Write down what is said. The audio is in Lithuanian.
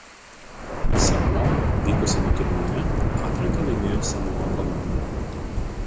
Samoa vykusiame turnyre atranką laimėjo Samoa komanda.